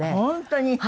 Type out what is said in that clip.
本当に。